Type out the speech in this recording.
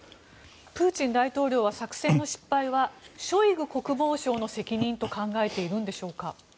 プーチン大統領は作戦の失敗はショイグ国防相の責任と考えているのでしょうか。